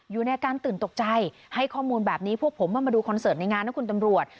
อยู่ในอาการตื่นตกใจให้ข้อมูลแบบนี้พวกผมมาดูคอนเสิร์ตในงานนะคุณตำรวจ